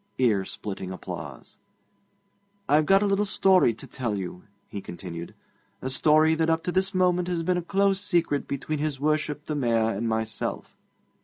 Ear splitting applause. 'I've got a little story to tell you,' he continued 'a story that up to this moment has been a close secret between his Worship the Mayor and myself.'